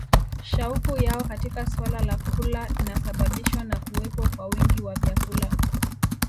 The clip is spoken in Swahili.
Shauku yao katika suala la kula inasababishwa na kuwepo kwa wingi wa vyakula